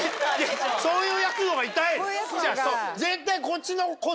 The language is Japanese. そういうやつの方が痛いの？